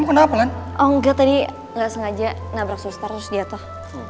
oh enggak tadi gak sengaja nabrak suster terus dia toh